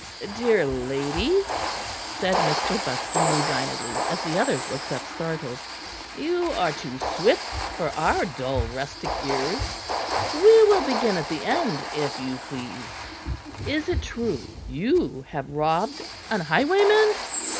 "Dear lady," said Mr. Buxton resignedly, as the others looked up startled, "you are too swift for our dull rustic ears; we will begin at the end, if you please. Is it true you have robbed an highwayman?"